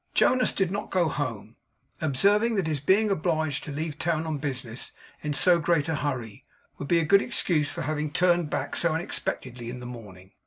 Jonas did not go home; observing, that his being obliged to leave town on business in so great a hurry, would be a good excuse for having turned back so unexpectedly in the morning.